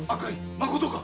まことか？